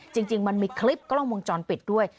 จริงมันมีคลิปกล้องวงจรปิดด้วย